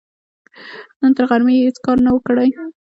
نن تر غرمې يې هيڅ کار نه و، کړی.